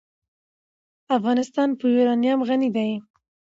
افغانستان په یورانیم غني دی.